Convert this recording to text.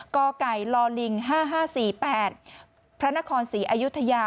ก่อก่ายลอลิง๕๕๔๘พระนครศรีอายุทยา